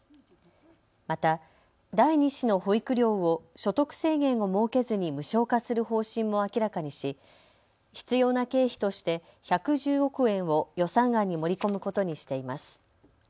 また第２子の保育料を所得制限を設けずに無償化する方針も明らかにし必要な経費として１１０億円を予算案に盛り込むことにしています。